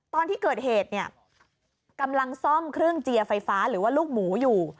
ตอนที่เกิดเหตุเนี่ยกำลังซ่อมเครื่องเจียร์ไฟฟ้าหรือว่าลูกหมูอยู่